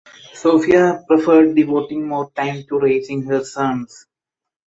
Sophia preferred devoting more time to raising her sons.